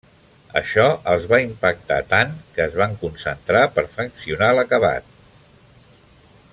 Això els va impactar tant que es van concentrar perfeccionar l'acabat.